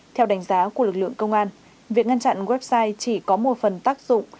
theo đánh giá của lực lượng công an việc ngăn chặn website chỉ có một phần tác dụng